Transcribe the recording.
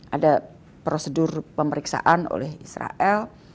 ada prosedur pemeriksaan oleh israel